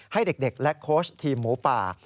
ให้เด็กและโค้ชทีมหมูป่า